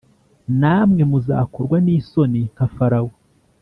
Namwe muzakorwa n isoni nka farawo